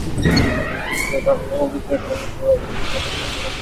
প্রতিষ্ঠিত ধারণা হলো, যুক্তরাষ্ট্র বাংলাদেশকে অর্থ দেয়, খাদ্য দেয়, নানা রকম সুবিধা দেয়।